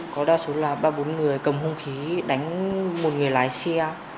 có đa số là ba bốn người cầm hung khí đánh một người lái xe